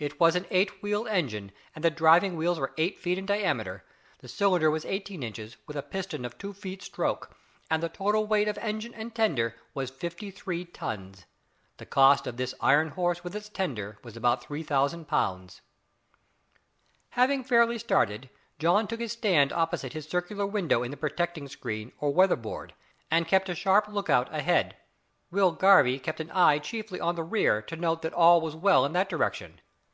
It was an eight wheeled engine, and the driving wheels were eight feet in diameter. The cylinder was eighteen inches, with a piston of two feet stroke, and the total weight of engine and tender was fifty three tons. The cost of this iron horse with its tender was about 3000 pounds. Having fairly started, John took his stand opposite his circular window in the protecting screen or weather board and kept a sharp look out ahead. Will Garvie kept an eye chiefly on the rear to note that all was well in that direction.